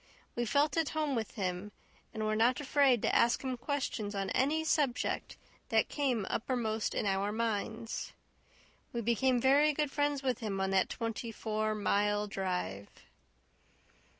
We felt at home with him, and were not afraid to ask him questions on any subject that came uppermost in our minds. We became very good friends with him on that twenty four mile drive.